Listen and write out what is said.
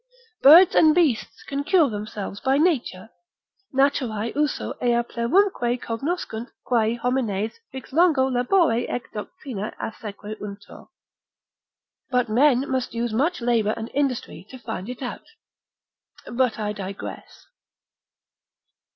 Birds and beasts can cure themselves by nature, naturae usu ea plerumque cognoscunt quae homines vix longo labore et doctrina assequuntur, but men must use much labour and industry to find it out. But I digress.